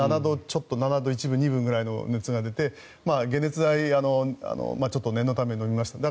３７度１分、２分ぐらいの熱が出て、解熱剤ちょっと念のために飲みました。